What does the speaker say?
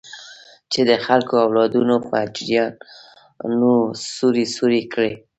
چې د خلکو اولادونه په چړيانو سوري سوري کړي.